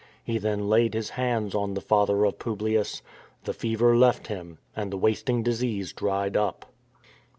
He then laid his hands on the father of Publius; the fever left him and the wasting disease dried up.